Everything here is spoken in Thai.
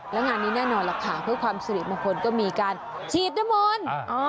และงานนี้แน่นอนล่ะค่ะเพื่อความสิริมงคลก็มีการฉีดน้ำมนต์